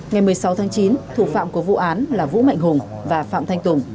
ngày một mươi sáu tháng chín thủ phạm của vụ án là vũ mạnh hùng và phạm thanh tùng